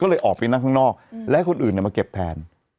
ก็เลยออกไปนั่งข้างนอกและให้คนอื่นมาเก็บแทน